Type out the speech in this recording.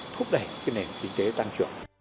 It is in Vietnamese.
thúc đẩy nền kinh tế tăng trưởng